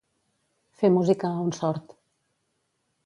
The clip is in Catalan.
Fer música a un sord.